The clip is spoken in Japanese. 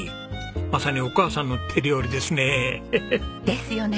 まさにお母さんの手料理ですね。ですよね。